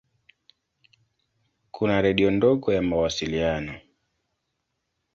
Kuna redio ndogo ya mawasiliano.